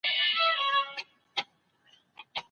زوم ملامتول د دوی تر منځ د نفرت سبب کېږي.